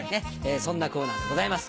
そんなコーナーでございます。